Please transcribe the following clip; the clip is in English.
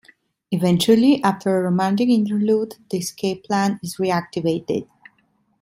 Eventually, after a romantic interlude the escape plan is reactivated.